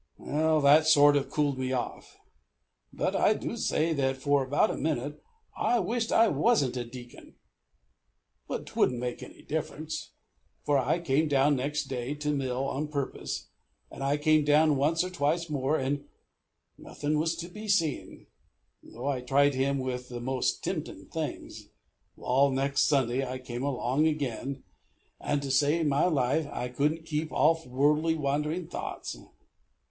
That sort o' cooled me off. But I do say that, for about a minute, I wished I wasn't a deacon. But 'twouldn't make any difference, for I came down next day to mill on purpose, and I came down once or twice more, and nothin' was to be seen, tho' I tried him with the most temptin' things. Wal, next Sunday I came along agin, and, to save my life I couldn't keep off worldly and wanderin' thoughts.